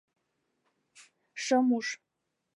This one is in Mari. — Шым уж.